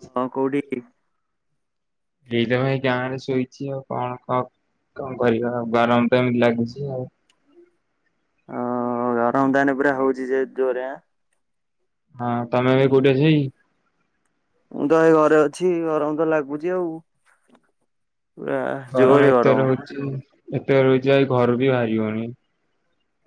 ଅହ କଉଠି? ଏଇ ତ ଭାଇ ଗାଁ ରେ ଶୋଇଛି ଆଉ କଣ କ କଣ କରିବା ଆଉ ଗରମ ଟାଇମ ଲାଗୁଛି ଆଉ। ହ ଆରାମଦାନ ପୁରା ହଉଛି ଯେଉରେ ଆଁ। ହଁ ତମେ ଏ କୋଉଠି ଅଛେଇ? ମୁଁ ତ ଏ ଘରେ ଅଛି ଗରମ ତ ଲାଗୁଛି ଆଉ। ପୁରା। ଗରମ ଏତେ ରହୁଛି ଏତେ ରହୁଛି ଆ ଘରୁ ବି ବାହାରିବନି।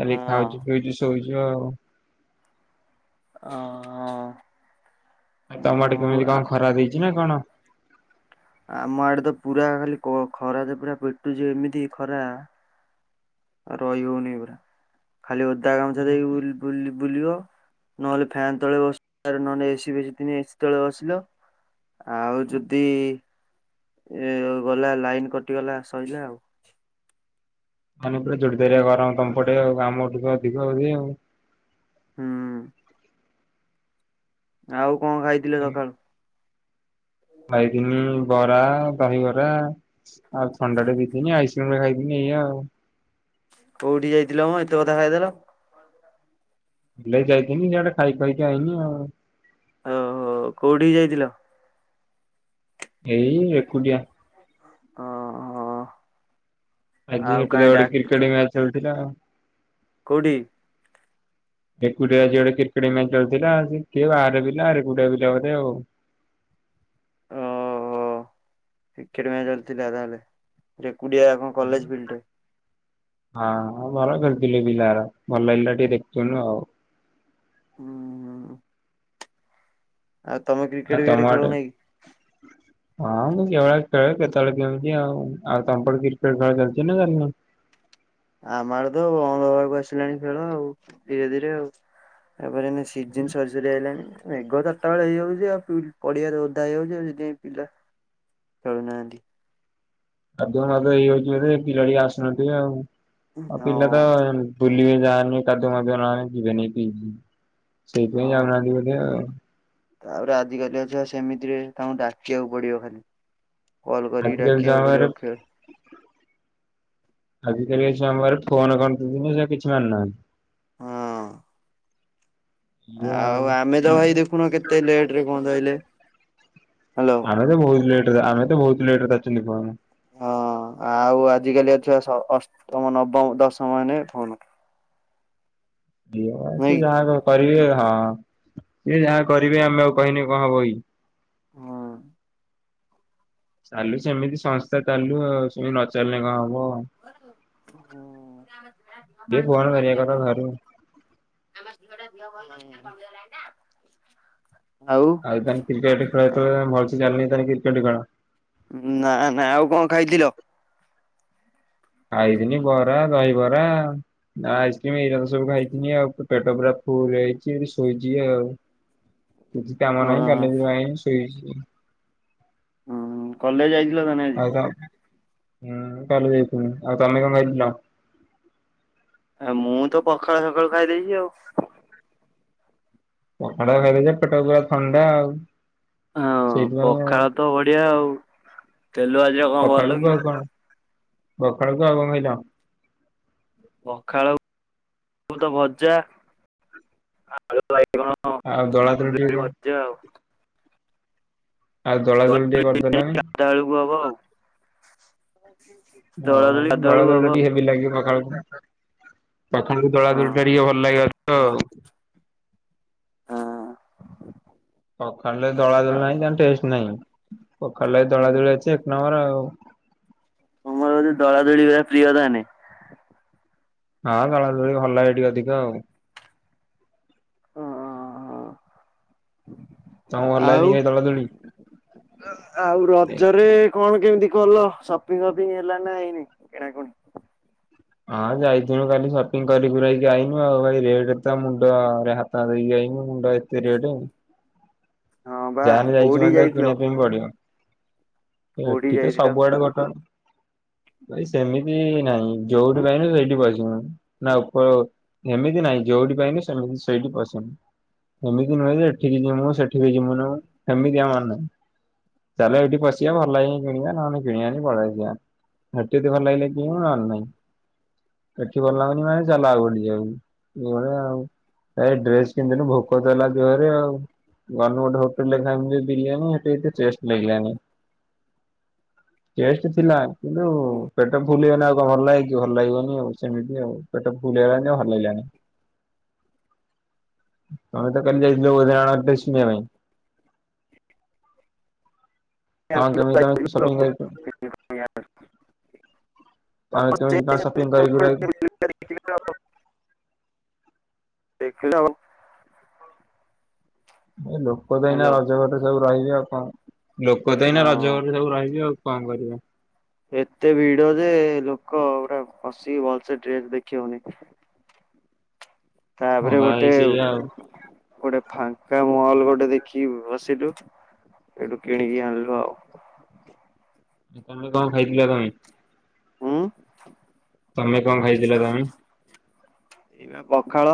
ଖାଲି ହଁ ଆଉ ଖାଉଛି ପିଉଛୁ ଶୋଇଛୁ ଆଉ। ହ [unintelligible] ଆ ତମ ଆଡେକେମିତି ଆ କଣ ଖରାହେଇଛି ନା କଣ? ଆମ ଆଡେ ତ ପୁରା ଖାଲି ଖରା ତ ପୁରା ପେଟୁଛି ଏମିତି ଖରା। ଉ ରହି ହଉନି ପରା ଖାଲି ଓଦା ଗାମୁଛା ଦେଇକି ବୁଲି ବୁଲିବ ନହେଲେ ଫ୍ୟାନ ତଳେ ବସିଲ ନହେଲେ ଏସିି ବେଶ ଏସି ତଳେ ବସିଲ। ଆଉ ଯଦି ଏ ଗଲା ଲାଇନ କଟିଗଲା ସରିଲା ଆଉ। ମାନେ ପୁରା ଜର ଏ ଧାରିଆଗରମ ତମପଟେ ଆଉ ଆମଠୁ ଅଧିକ ହଉଛି ଆଉ। ହୁଁ। ଆଉ କଣ ଖାଇଥିଲେ ସକାଳୁ ବାଇଗଣି ବରା ଦହିବରା ଆଉ ଥଣ୍ଡା ଟେ ଦେଇ ନି ଆଇସ୍କ୍ରିମ ରେ ଖାଇଦିନି ଏୟା ଆଉ [unintelligible] କୋଉଠି ଯାଇଥିଲ ମେ ଏତେ କଥା ଖାଇଦେଲ। ବିଲେଇ ଯାଇଥିଲି ଇଆଡେ ଖାଇ ଖାଇକା ଆଇଲି ଆଉ। ଓହୋ କୋଉଠି ଯାଇଥିଲ। ଏଇ ଏକୁଟିଆ ଓ ହ। ଆଜି ସେଠି ତ ଗୋଟେ କ୍ରିକେଟ ମ୍ୟାଚ ହେଉଥିଲା। କଉଠି? ଏଗୁଡା କ୍ରିକେଟମେଚ ହେଉଥିଲା ଆ ବିଲା ଆ ବିଲା ଆଉ ଓହୋ କ୍ରିକେଟ ମଚ ହେଉଥିଲା ତାହେଲେ ଏକୁଟିଆ। କ କଲେଜ ବିଲ୍ଡଟିଏ। ହଁ ଭଲ ଖେଥିଲୁ ପିଲାର ଭଲ ହେଇା ଟିକେ ଦେଖୁନୁ ଆଉ। ହୁଁଁ [unintelligible] ଆଉ ତମେ କି। କ୍ରିକେଟ ଆ ଫିକେଟ ଖେଳ ତମଆଡେ ନାଇଁ [inaudible] ହଁ ମୁଁ କେଭଳି ଖେଳ କେତେବେଳେ କେମିତି ଆଉ ଆଉ ତମ କ କ୍ରିକେଟ ଖେଳ ଚାଲିଛି ନା ଜାଣିନ ଆମର ତ ଅଣଧ ବାକୁ ଆସିଲାଣି ଖେଳ ଆଉ ଧୀରେ ଧୀରେ ଆଉ [unintelligible] ତାପରେ ସିନ୍ ସଜରି ଆଇଲାଣିେଗ ତ ପଟାବେ ହେଇଯାଉଛି ଆଉ ପଡିଆରେ ଓଧା ହେଇଯାଉଛିସେଥିପାଇଁ ପିଲା ଖେଳୁନାହାଁନ୍ତି। ଆଧ ମତେ ଏଇଯଉଛି ପିଲା ଟ ଆସୁନାହାନ୍ତି ଆ ଆଉ ପିଲା ତ ହଁ ବୁଲିବେ ଯାହାନି କାଦୁ ମଧୁ ନେ ଯିବେନି ସେଇଥିପାଇଁ ହଁ ଯାଉନାହାନ୍ତି ବୋଧେ ଆଉ ତାପରେ ଆଜିକାଲି ଝିଅ ସେମିତିରେ ତାଙ୍କୁ ଡାକିବାକୁ ପଡିବ ଖାଲି। କଲ କରିକି ଆଜିକାଲି ଡାକିବାକୁ ଛୁଆଙ୍କ ପାଖରେ ପଡିବକ୍ଷରେ। ଆଜିକାଲିଆ ଝିଅ ଆମର ଫୋନ କଣ ଜିନିଷ କିଛି ମାନୁ ନାହାନ୍ତି। ହଁ! ଆଉ ଆମେ ତ ଭାଇ ଦେଖୁନ କେତେ ଲେଟ ରେ କଣ ରହିଲେ ହ୍ୟାଲୋ ଆମେ ତ ବହୁତ ଲେଟ ଆମେ ତ ବହୁତ ଲେଟରେ ଅଛନ୍ତିକମ। ହଁ ଆଉ ଆଜିକାଲି ଛୁଆ ଅଷ୍ଟମ ନବମ ଦଶମ ମାନେ ଫୋନ। ଦ ସିଏ ନୁହେଁ କି? ଯାହା କରିବେ ହଁ ସିଏ ଯାହା କରିବେ ଆମେ ଆଉ କହିନି କଣ କହିନେ ହଇ। ହଁ ଚାଲୁ ସେମିତି ସଂସ୍ଥା ଚାଲୁ ଆଉ ସେମିତି ନଚଲିଲେ କଣ ହେବ। [inaudible] ଆଉ? [unintelligible] କ୍ରିକେଟ ଖେଳଥ [unintelligible] କ୍ରିକେଟ ଖେଳ? ନା ନା ଆଉ କଣ ଖାଇଥିଲ? ଆଇଥିନି ବରା ଦହିବରା। ନା ଆଇସ୍କ୍ରିମ ଏଇରା ସବୁ ଖାଇିନି ଆଉ ପେଟ ପୁରା ଫୁଲ ହେଇଛି ଶୋଇଛି ଆଉ। [inaudible] କିଛି କାମ ନାହିଁ ହୁଁ କଲେଜ [unintelligible] ଶୋଇଛି। କଲେଜ ଯାଇଥିଲା [unintelligible] ଆଜି? ଆଉ ତ ହୁଁ ତାଲି [unintelligible] ଆ ମୁଁ ତ ପଖାଳ ସଖାଳୁ ଖାଇଦେଇଛି ଆଉ? ପଖଡା [unintelligible] ପେଟ ପୁରା ଥଣ୍ଡା ଆଉ? ହଁ ସେଇଥିପାଇଁ ଆଉ ପଖାଳ ତ ବଢିଆ ଆଉ ତେଲୁଆ ପଖାଳ ଆଉ କଣ ପଖାଳକୁ [unintelligible] ପଖାଳ [inaudible] ଭଜା। ଆ [inaudible] ଆଉ ଦଳା [unintelligible] ଟିକେ କଣ? ଯାଅ ଆଉ ଦଳା ଦୋଳି ଟିକେ କରିଦେଲଣି? [unintelligible] ହବ ଆଉ? ଓ ଦୋଳା ଦୋଳି ହଉ ଗାଧୁଆ ଦଳା ବେଳକୁ ଦଳି ହବ ଟିକେ ହେବି ଲାଗିବ ପାଖାଳକୁ। [unintelligible] ଦଳା ଦୋଳି ଟା ଟିକେ ଭଲ ଲାଗି ତ ଆଉ? ହଁ। ପଖାଳ ରେ ଦଳା ହଁ ଦଳି ନାହିଁ ତାହେନେ ଟେଷ୍ଟ ନାହିଁ ପଖାଳରେ ଦଳା ହୁଁ ଦଳି ଅଛି ଏକ ନମ୍ବର ଆଉ। ମୁଁ ଭାବୁଛି ଦଳା ଦଳି [unintelligible] ପ୍ରିୟ ତାହାନେ? ହଁ ଦଳା ଦଳି ଭଲ ଲାଗେ ଟିକେ ଅଧିକ ଆଉ। ଆ ତମକୁ ଭଲ ଲାଗେନି ଆଉ। କି ଦଳାଦଳି? ଏ ଆଉ ରଜରେ କଣ କେମିତି କଲ ସପିଙ୍ଗ ଫପିଙ୍ଗ ହେଲା ନା ହେଇନି? କିଣା କୁଣୀ। ହଁ ଯାଇଥିନୁ କାଲି ସପିଙ୍ଗ କରି କୁରାଇକି ଆଇନୁ ଆଉ ଭାଇ ରେଟ ତ ମୁଣ୍ଡରେ ହା ଦେଇକି ଆଇନୁ ମୁଣ୍ଡ ଏତେ ରେଟ। ହଁ ବା ଯାହେନେ ଯାଇଛୁ କୋଉଠିକି ମାନେ ତ ଯାଇଥିଲ କିଣିବା ପାଇଁ ପଡିବ। କୋଉଠିକି ଏଠି ତ ଯାଇଥିଲ? ସବୁଆଡେ ବର୍ତ୍ତମାନ ଭାଇ ସେମିତି ନାଇ। ଯୋଉଠି ପାଇନୁ ସେଇଠି ପଶିନୁ। ନା ଉପର ଏମିତି ନାହିଁ ଯୋଉଠି ପାଇନୁ ସେମିତି ସେଇଠି ପଶିନୁ। ଏମିତି ନୁହେଁ ଯେ ଏଠିକି ଜିମୁ ସେଠିକି ଜିମୁନୁ ସେମିତି ଆମାର ନାଇ। ଚାଲ ଏଇଠି ପଶିବା ଭଲ ଲା [unintelligible] କିଣିବା ନହନେ କିଣିବାନି ପଳେଇ ଆସିବା। ଏଠି ଯଦି ଭଲ ଲାଗିଲା କିଣ ନହେଲେ ନାଇଁ। ଏଠି ଭଲ ଲାଗୁନି ମାନେ ଚାଲ ଆଉ ଗୋଟେ ଜାଗା ଏଇ ଭଳିଆ ଆଉ। ଏ ଡ୍ରେସ କିଣିଦେନୁ ଭୋକ ତ ହେଲା ଜୋରେ ଆଉ ଗନୁ ଗୋଟେ ହୋ ସେଠି ଲେଖା ହେଇଚି ବିରିୟାନୀ ସେଠି ଏତେ ଟେଷ୍ଟ ଲାଗିଲାନି। ଟେଷ୍ଟ ଥିଲା କିନ୍ତୁ ପେଟ ଫୁଲ ହେଇଗଲେ ଆଉ କଣ ଭଲ ଲାଗେ କି ଭଲ ଲାଗିବନି ଆଉ ସେମିତି ଆଉ ପେଟ ଫୁଲ ହେଇଗଲା [unintelligible] ଭଲ ଲାଗିଲାନି। ତମେ ତ କାଲି ଯାଇଥିଲ [unintelligible] ଡ୍ରେସ କିଣିବା ପାଇଁ। କଣ ତମେ ତମେ ସପିଂ କରି [inaudible] ହଁ ତମେ ସେ କେମିତି କଣ ସପିଂ କରି ସେମିତି କୁରାକି [inaudible] [inaudible] ଦେଖିଲ ଦେଖିଲ। ଏ ଲୋକ ତ ଏଇନା ହ୍ୟାଲୋ ରଜ ଫଜ ସବୁ ରହିବେ ଆଉ କଣ। ଲୋକ ତ ଏଇନା ରଜ ହଁ। [unintelligible] ସବୁ ରହିବେ ଆଉ କଣ କରିବେ। ଏତେ ଭିଡ ଯେ ଲୋକ ପୁରା ବସିକି ଭଲସେ ଡ୍ରେସ ଦେଖି ହଉନି। ହଁ ତାପରେ ବା ଗୋଟେ। ଏଇ ସେଇଆ ଆଉ। ଗୋଟେ ଫାଙ୍କା ମହଲ ଗୋଟେ ଦେଖିକି ବସିଲୁ ସେଇଠୁ କିଣିକି ଆଣିଲୁ ଆଉ। ତମେ କଣ ଖାଇଥିଲ ଭାଇ? ହୁଁ। ତମେ କଣ ଖାଇଥିଲ ତମେ? ଏଇ ପା ପଖାଳ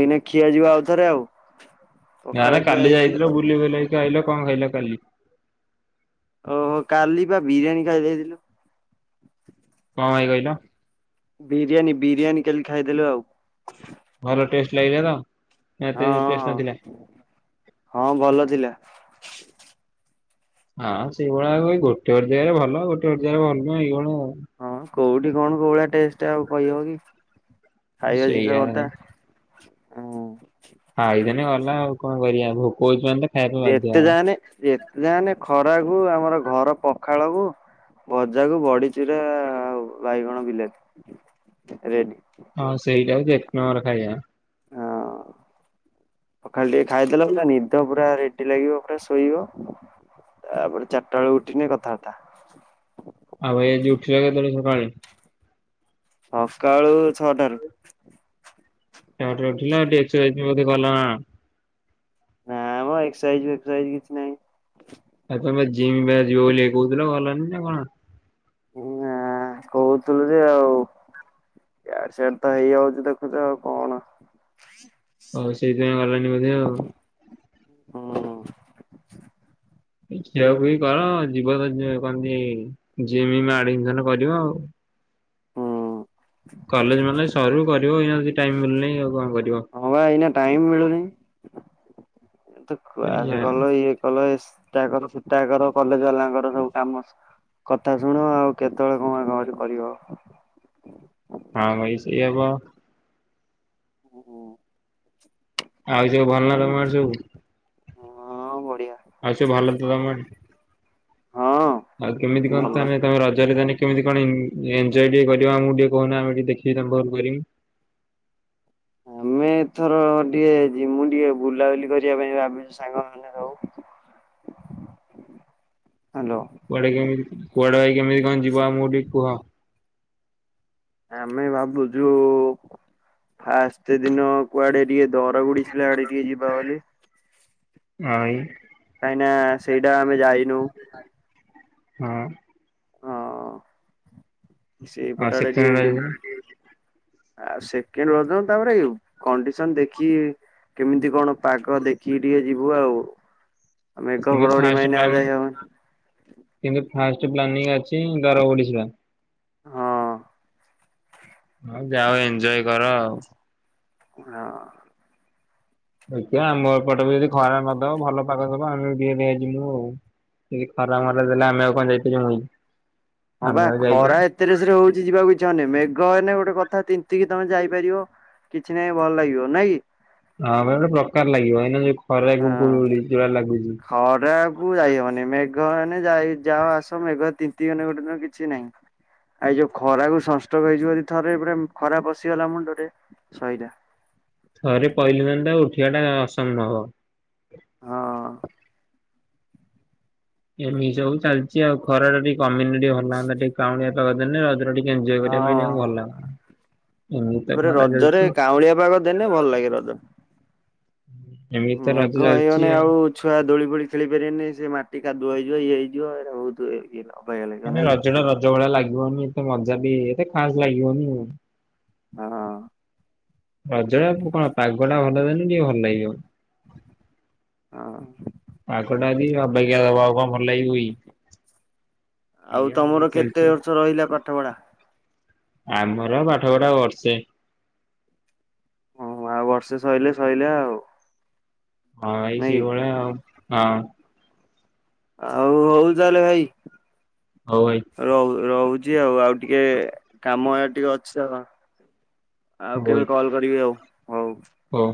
ଏଇନା ଖିଆ ଯିବ ଆଉଥରେ ଆଉ। ପଖାଳ ଆରେ ଖିଆ କାଲି ହେଇଥିଲା। ଯାଇଥିଲ ବୁଲି ବୁଲାଇକି ଆଇଲ କଣ ଖାଇଲ କାଲି? ଓହୋ କାଲି ପା ବିରିୟାନୀ ଖାଇଦେଇଥିଲୁ। କଣ ଭାଇ କହିଲ? ବିରିୟାନୀ ବିରିୟାନୀ କାଲି ଖାଇଦେଲୁ ଆଉ। ଭଲ ଟେଷ୍ଟ ଲାଗିଲା ତ ନା ଏତେ ଟେଷ୍ଟ ହଁ ନଥିଲା? ହଁ ଭଲ ଥିଲା। ହଁ ସେଇଭଳିଆ ଆଉ ଭାଇ ଗୋଟେ ଗୋଟେ ଜାଗାରେ ଭଲ ଗୋଟେ ଗୋଟେ ଜାଗାରେ ଭଲ ନୁହଁ ଏଇଭଳିଆ ଆଉ। ହଁ କୋଉଠି କଣ କୋଉ ଭଳିଆ ଟେଷ୍ଟ ଆଉ କହିହବ କି ଖାଇବା ଜିନିଷ ସେଇଆ କଥା। ଅ ହୁଁ। ଖାଇଦେନେ ଗଲା ଆଉ କଣ କରିବା ଭୋକ ହଉଛି ମାନେ ଖାଇବା ପାଇଁ ବାଧ୍ୟ ଯେତେ ହବା। ଯାହେନେ ଯେତେ ଯାହେନେ ଖରାକୁୁ ଆମର ଘର ପଖାଳକୁୁ। ଭଜାକୁ ବଢ଼ିଚୁରା ଆଉ ବାଇଗଣ ବିଲାତି ରେଡି। ହଁ ସେଇଟା ହଉଚି ଏକ ନମ୍ବର ଖାଇବା। ପଖାଳ ଟିକେ ଖାଇଦେଲ ପୁରା ନିଦ ପୁରା ରେଡି ଲାଗିବ ପୁରା ଶୋଇବ। ତାପରେ ଚାରିଟା ବେଳେ ଉଠିନେ କଥାବାର୍ତ୍ତା। ଆଉ ଏଜି ଉଠିଲ କେତଳେ ସକାଳେ? ସକାଳୁ ଛଅଟାରୁ। [unintelligible] ନା ମ ଏକ୍ସସାଇଜ ଫେକ୍ସସାଇଜି କିଛି ନାହିଁ। ଆଉ ତମେ ଜିମ୍ ବା ଯିବ ବୋଲି କହୁଥିଲ ଗଲାନି ନା କଣ? ନା କହୁଥିଲୁ ଯେ ଆଉ ଇଆଡେ ସେଆଡ ତ ହେଇଯାଉଚି ଦେଖୁଚ ଆଉ କଣ? ଓ ସେଇଥିପାଇଁ ଗଲନି ବୋଧେ ଆଉ। ହଁ। ଖିଆ ଖୁଇ କର ଯିବ ତ କଣନ୍ତି ଜିମ ଆଡିମସନ କରିବ ଆଉ। ହୁଁ କଲେଜ ନହେଲେ ସରୁ କରିବ ଏଇନା ଯଦି ମିଳୁନାହିଁ ଆଉ କଣ କରିବ। ହଁ ବା ଏଇନା ଟାଇମ୍ ମିଳୁନାହିଁ। ତ ସେଇଆ କ୍ଲାସକଲ ଇଏ କଲ ଇସ୍ଟା କର ସେଟା କର କଲେଜ ବାଲାଙ୍କର ସବୁ କାମ। କଥା ଶୁଣ ଆଉ କେତେବେଳେ କଣ ନହେଲେ [unintelligible] କରିବ। ହଁ ଭାଇ ସେଇଆ ବା। ଓ ହୋ। ଆଉ ସବୁ ଭଲ ନା ତମ ଆଡେ ସବୁ? ହଁ ବଢିଆ। ଆଉ ସବୁ ଭଲତ ତମ ଆଡେ। ହଁ ଆଉ କେମିତି କଣ ଭଲ। ତାହାନେ ତମ ରଜରେ ତାଆନେ କେମିତି କଣ ଇନ ଏନଜୟ ଟିକେ କରିବ ଆମକୁ ଟିକେ କହୁନ ଆମେ ଟିକେ ଦେଖିକି ତାଙ୍କ ପାଖରୁ କରିବୁ। ଆମେ ଏଥର ଟିକେ ଯିମୁ ଟିକେ ବୁଲାବୁଲି କରିବା ପାଇଁ ଭାବିଚୁ ସାଙ୍ଗ ମାନେ। ଆଉ ହ୍ୟାଲୋ କୁଆଡେ କେମିତି କୁଆଡେ ଭାଇ କେମିତି କଣ ଯିବ ଆମକୁ ଟିକେ କୁହ? ଆମେ ଭାବୁଚୁ ଫାଷ୍ଟ ଦିନ କୁଆଡେ ଟିକେ ଦର ବୁଢୀ ଶିଳା ଆଡେ ଟିକେ ଯିବା ବୋଲି। ଆଇ କାଇଁନା ସେଇଟା ଆମେ ଯାଇନୋଉ। ହଁ ହଁ ଆଉ ସେଇପଟ ଆଡେ ସେକେଣ୍ଡ ଟିକେ ରଜ ଯିମୁ। ଦିନ ଆଉ ସେକେଣ୍ଡ ରଜ ତାପରେ କଣ୍ଡିସନ ଦେଖି କେମିତି କଣ ପାଗ ଦେଖିକି ଟିକେ ଯିବୁ ଆଉ। ମେଘ କିନ୍ତୁ ଘଡ଼ଘଡ଼ି ଫାଷ୍ଟ ମାଇଲେ ଆଉ ପ୍ଲାନିଂ ଯାଇ ହବନି। କିନ୍ତୁ ଫାଷ୍ଟ ପ୍ଲାନିଂ ଅଛି ଦର ବୁଢୀ ଶିଳା। ହଁ ହଁ ଯାଅ ଏନଜୟ କର ଆଉ। ହଁ ଦେଖିଆ ଆମ ଘର ପଟେ ବି ଯଦି ଖରା ନଦବ ଭଲ ପାଗ ଦବ ଆମେ ବି ଦେଖିଆ ଯିମୁ ଆଉ। ଟିକେ ଖରା ମରା ଦେଲେ ଆମେ ଆଉ କଣ ଯାଇ ପାରିମୁକି। ହଁ ବା ଖରା ଏତେରେସରେ ହଉଛି ଯିବାକୁ ଇଛା ହୋଉନି ମେଘ ହେନେ ଗୋଟେ କଥା ତିନ୍ତିକି ତମେ ଯାଇପାରିବ। କିଛି ନାଇଁ ଭଲ ଲାଗିବ ନାଇଁ କି? ହଁ। [unintelligible] ଖରାକୁ ଯାଇହବନି ମେଘ ମାନେ ଯାଇ ଯାଅ ଆସ ମେଘରେ ତିନ୍ତି ଗଲେ ଗୋଟେ ଦିନ କିଛି ନାହିଁ ଆଇ ଯଉ ଖରାକୁ ସଂଷ୍ଟ୍ରୋକ୍ ହେଇଯିବ ଯଦି ଥରେ ଖରା ପଶିଗଲା ମୁଣ୍ଡରେ ସଇଲା। ଥରେ ପଇଲି ମାନେ ଟା ଉଠିବା ଟା ଅସମ୍ଭବ। ହଁ। ଏମିତି ସବୁ ଚାଲିଚି ଆଉ ଖରା ଟା ଟିକେ କମିନେ ଟିକେ ଭଲ ଲାଗନ୍ତା ଟିକେ କାଉଁଳିଆ ପାଗ ଦେଲେ ରଜରେ ଟିକେ ଏଞ୍ଜୟ୍ କରିବା ପାଇଁ ହଁ। ଟିକେ ଭଲ୍ ଲାଗନ୍ତା। ଏମିତି ତ ତାପରେ ଖରା ରଜରେ ଚାଲିଛି କାଉଁଳିଆ ପାଗ ଦେନେ ଭଲ୍ ଲାଗେ ରଜ। ଏମିତି ତ ମେଘ ରଜ ହେଇଗନେ ଚାଲିଚି ଆଉ। ଛୁଆ ଦୋଳି ଫୋଳି ଖେଳି ପାରିବେନି ସେ ମାଟି କାଦୁଅ ହେଇଯିବ ଇଏ ହେଇଯିବ ଏରା ବହୁତୁ ଇଏ ଅବାଗିଆ ଲାଗିବ ମାନେ ନାଇଁ କି ରଜ ଟା ରଜ ଭଳିଆ ଲାଗିବନି ଏତେ ମଜା ବି ଏତେ ଖାସ୍ ଲାଗିବନି ଆଉ। [unintelligible] ରଜରେ ଆଉ କଣ ପାଗ ଟା ଭଲ ଦେଲେ ଟିକେ ଭଲ ଲାଗିବ। [inaudible] ପାଗଟା ଯଦି ଅବାଗିଆ ଦବ ଆଉ କଣ ଭଲ ଲାଗିବ କି। ଆଉ ଏଇଆ ତମର ଏମିତି କେତେ ଚାଲିଛି ବର୍ଷ ରହିଲା ପାଠପଢା? ଆମର ପାଠ ପଢା ବର୍ଷେ। ଓହୋ ଆଉ ବର୍ଷେ ସଇଲେ ସଇଲା ଆଉ। ହଁ ଭାଇ ସେଇ ନାଇଁ କି? ସେଇଭଳିଆ ଆଉ ହଁ। ଆଉ ହଉ ତାହେଲେ ଭାଇ ହଉ ଭାଇ। ରହୁ -ରହୁଚି ଆଉ- ଆଉ ଟିକେ କାମ ଇଆଡ଼େ ଟିକେ ଅଛି ତ। ଆଉ କେଭେ କଲ୍ କରିବି ଆଉ। ହଉ।